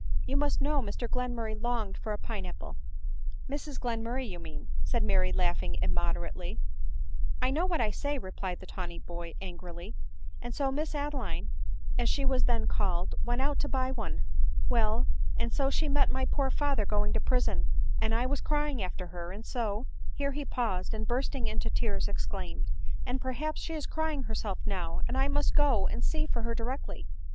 " You must know, Mr Glenmurray longed for a pine apple." " Mrs Glenmurray you mean," said Mary, laughing immoderately. " I know what I say," replied die tawny boy angrily ;" And so Miss Adeline, as she was then called, went out to buy one ; well, and so she met my poor father going to prison, and I was crying after her, and so—" Here he paused, and bursting into tears exclaimed, " And perhaps she is crying herself now, and I must go and see for her directly."